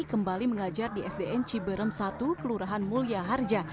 kembali mengajar di sdn ciberem satu kelurahan mulia harja